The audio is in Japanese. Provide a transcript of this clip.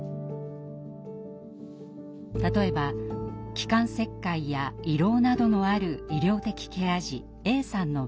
例えば気管切開や胃ろうなどのある医療的ケア児Ａさんの場合。